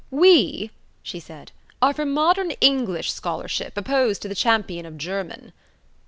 "We," she said, "are for modern English scholarship, opposed to the champion of German."